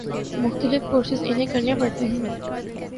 مختلف کورسز انہیں کرنے پڑتے ہیں۔